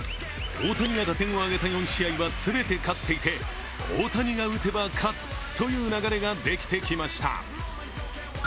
大谷が打点を挙げた４試合は全て勝っていて大谷が打てば勝つという流れができてきました。